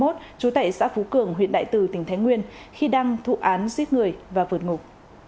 trú tại xã phú cường huyện đại từ tỉnh thái nguyên khi đang thụ án giết người và vượt ngục